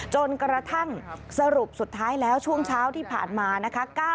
จนกระทั่งสรุปสุดท้ายแล้วช่วงเช้าที่ผ่านมานะคะ